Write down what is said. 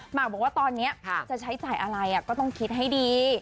หมากบอกว่าตอนนี้จะใช้จ่ายอะไรก็ต้องคิดให้ดี